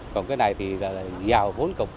còn cái này thì là dầu vón cục